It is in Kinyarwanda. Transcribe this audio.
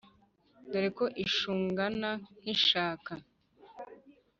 dore ko ishungana nk’ishaka